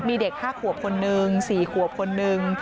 มีเด็กห้าขวบคนนึงสี่ขวบคนนึง